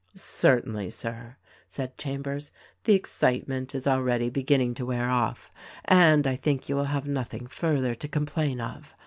"Certainly, Sir," said Chambers, "the excitement is already beginning to wear off, and I think you will have nothing further to complain of.